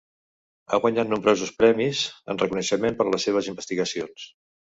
Ha guanyat nombrosos premis en reconeixement per les seves investigacions.